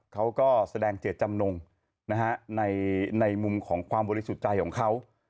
เขาก็แสดงเจตจำนงในมุมของความบริสุทธิ์ใจของเขา